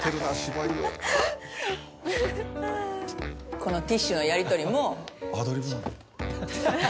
このティッシュのやりとりも。